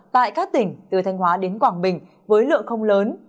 tại các tỉnh từ thanh hóa đến quảng bình với lượng không lớn